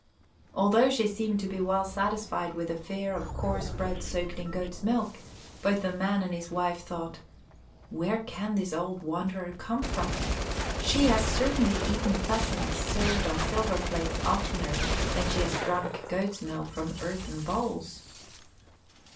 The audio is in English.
Although she seemed to be well satisfied with the fare of coarse bread soaked in goats' milk, both the man and his wife thought: "Where can this old wanderer come from? She has certainly eaten pheasants served on silver plates oftener than she has drunk goats' milk from earthen bowls."